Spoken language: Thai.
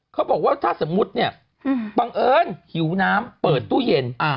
เขาบอกว่าถ้าสมมุติเนี่ยบังเอิญหิวน้ำเปิดตู้เย็น